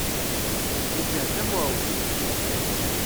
Yeǧhed am uɛewdiw.